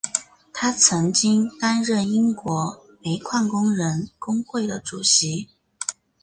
他曾经担任英国煤矿工人工会的主席。